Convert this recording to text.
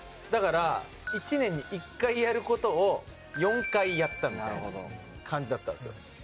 だから１年に１回やることを４回やったみたいな感じだったんですよ。